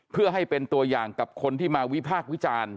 เพื่อให้เป็นตัวอย่างกับคนที่มาวิพากษ์วิจารณ์